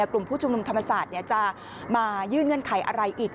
กลุ่มผู้ชุมนุมธรรมศาสตร์จะมายื่นเงื่อนไขอะไรอีก